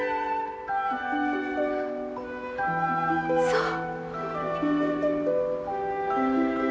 そう。